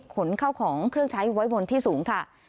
ขนเข้าของเครื่องใช้ไว้บนที่สูงค่ะ